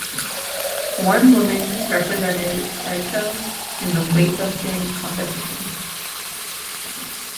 One woman represented Seychelles in the weightlifting competition.